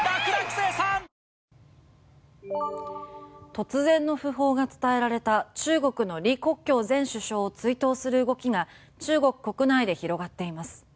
突然の訃報が伝えられた中国の李克強前首相を追悼する動きが中国国内で広がっています。